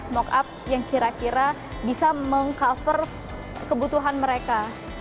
mock up yang kira kira bisa meng cover kebutuhan mereka